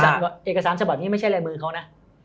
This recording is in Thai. เอกสารฉบับนี้ไม่ใช่ลายมือเขานะ